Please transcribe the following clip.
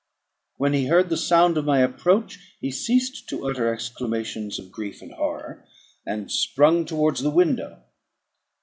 When he heard the sound of my approach, he ceased to utter exclamations of grief and horror, and sprung towards the window.